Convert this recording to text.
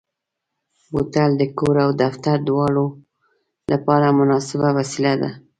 بوتل د کور او دفتر دواړو لپاره مناسبه وسیله ده.